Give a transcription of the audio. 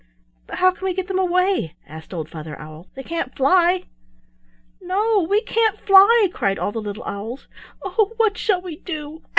"But how can we get them away?" asked old Father Owl. "They can't fly." "No, we can't fly!" cried all the little owls. "Oh, what shall we do? Ow!